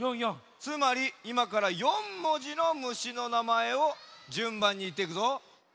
つまりいまから４文字の虫のなまえをじゅんばんにいっていくぞ。